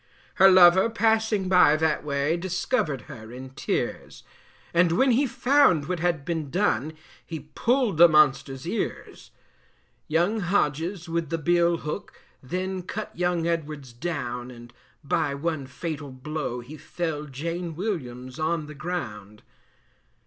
Her lover passing by that way, Discovered her in tears, And when he found what had been done He pulled the monster's ears. Young Hodges with the bill hook, Then cut young Edwards down: And by one fatal blow he felled Jane Williams on the ground.